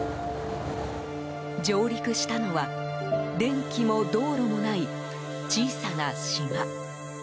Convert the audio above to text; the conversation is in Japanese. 上陸したのは電気も道路もない、小さな島。